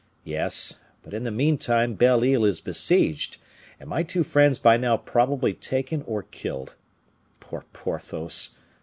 Yes; but in the meantime Belle Isle is besieged, and my two friends by now probably taken or killed. Poor Porthos!